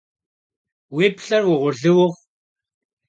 Vui pı'er vuğurlı vuxhu!